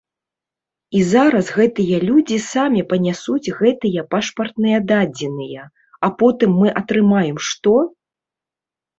І зараз гэтыя людзі самі панясуць гэтыя пашпартныя дадзеныя, а потым мы атрымаем што?